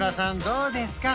どうですか？